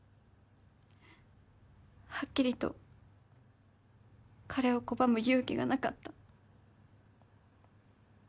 はっきりと彼を拒む勇気がなかった。